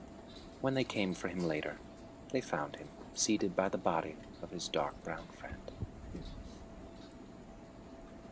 When they came for him later, they found him seated by the body of his dark brown friend.